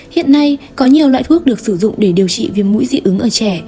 hiện nay có nhiều loại thuốc được sử dụng để điều trị viêm mũi dị ứng ở trẻ